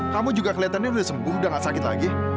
kamu juga kelihatannya udah sembuh udah gak sakit lagi